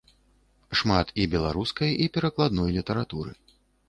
Шмат і беларускай, і перакладной літаратуры.